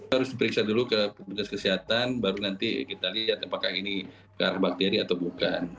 harus diperiksa dulu ke petugas kesehatan baru nanti kita lihat apakah ini karena bakteri atau bukan